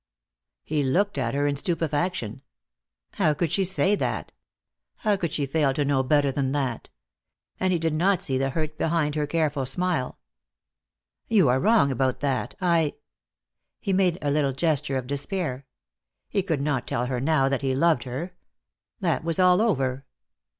He looked at her in stupefaction. How could she say that? How could she fail to know better than that? And he did not see the hurt behind her careful smile. "You are wrong about that. I " He made a little gesture of despair. He could not tell her now that he loved her. That was all over.